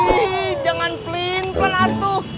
ih jangan pelintel atuh